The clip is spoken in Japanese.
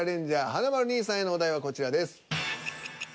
華丸兄さんへのお題はこちらです。